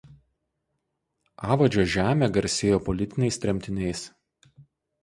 Avadžio žemė garsėjo politiniais tremtiniais.